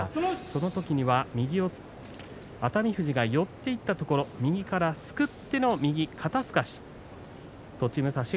この時には右四つ、熱海富士が寄っていったところ右からすくっての右肩すかし